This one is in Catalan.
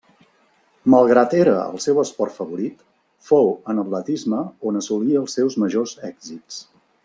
Malgrat era el seu esport favorit, fou en atletisme on assolí els seus majors èxits.